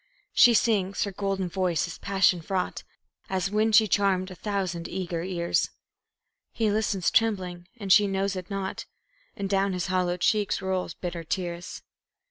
She sings her golden voice is passion fraught, As when she charmed a thousand eager ears; He listens trembling, and she knows it not, And down his hollow cheeks roll bitter tears.